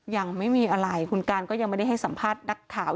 ยังไม่มีอะไรคุณการก็ยังไม่ได้ให้สัมภาษณ์นักข่าว